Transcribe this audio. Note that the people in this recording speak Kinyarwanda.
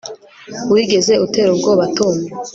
wigeze utera ubwoba tom